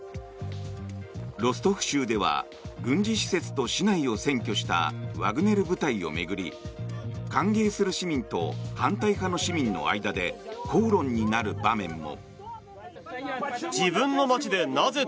ロストフ州では軍事施設と市内を占拠したワグネル部隊を巡り歓迎する市民と反対派の市民の間で口論になる場面も。